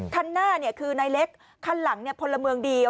ขั้นหน้าเนี่ยคือนายเล็กขั้นหลังเนี่ยพลเมืองดี